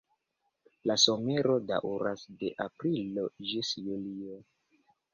La somero daŭras de aprilo ĝis julio.